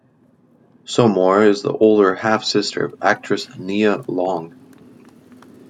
Sommore is the older half-sister of actress Nia Long.